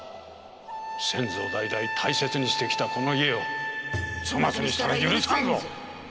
先祖代々大切にしてきたこの家を粗末にしたら許さんぞ。